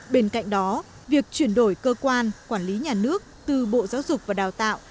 bên cạnh đó việc chuyển đổi cơ quan quản lý nhà nước từ bộ giáo dục và đào tạo